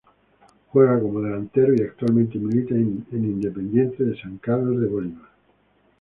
Juega como delantero y actualmente milita en Independiente de San Carlos de Bolívar.